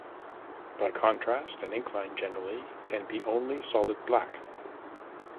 By contrast, an ink line generally can be only solid black.